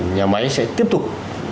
nhà máy sẽ tiếp tục